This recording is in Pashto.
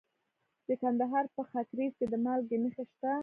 د کندهار په خاکریز کې د مالګې نښې شته.